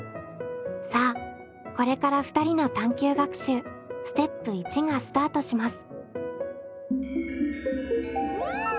さあこれから２人の探究学習ステップ１がスタートします。